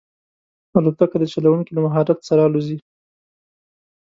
الوتکه د چلونکي له مهارت سره الوزي.